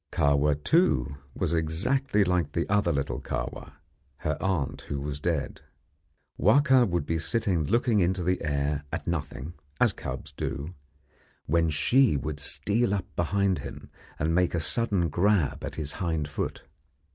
Kahwa, too, was exactly like the other little Kahwa, her aunt who was dead. Wahka would be sitting looking into the air at nothing, as cubs do, when she would steal up behind him and make a sudden grab at his hind foot.